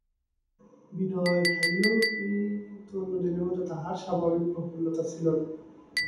বিনয় খাইল, কিন্তু অন্য দিনের মতো তাহার স্বাভাবিক প্রফুল্লতা ছিল না।